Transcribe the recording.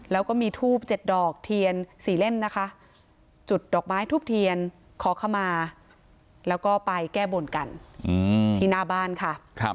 แล้วก็มีทูบ๗ดอกเทียน๔เล่มนะคะจุดดอกไม้ทูบเทียนขอขมาแล้วก็ไปแก้บนกันที่หน้าบ้านค่ะ